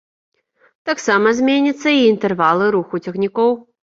Таксама зменяцца і інтэрвалы руху цягнікоў.